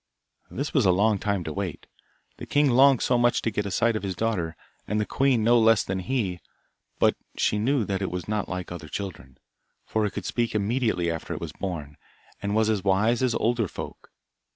This was a long time to wait. The king longed so much to get a sight of his daughter, and the queen no less than he, but she knew that it was not like other children, for it could speak immediately after it was born, and was as wise as older folk.